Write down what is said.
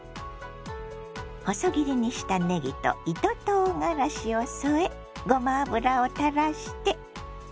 細切りにしたねぎと糸とうがらしを添えごま油をたらして。